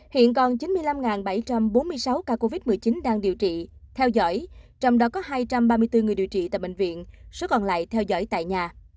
hiện còn chín mươi năm bảy trăm bốn mươi sáu ca covid một mươi chín đang điều trị theo dõi trong đó có hai trăm ba mươi bốn người điều trị tại bệnh viện số còn lại theo dõi tại nhà